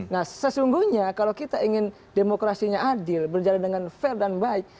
nah sesungguhnya kalau kita ingin demokrasinya adil berjalan dengan fair dan baik